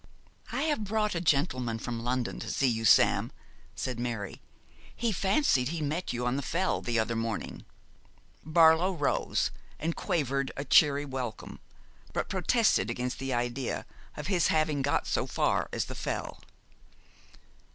'I have brought a gentleman from London to see you, Sam,' said Mary. 'He fancied he met you on the Fell the other morning.' Barlow rose and quavered a cheery welcome, but protested against the idea of his having got so far as the Fell.